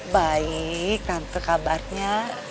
baik nanti kabarnya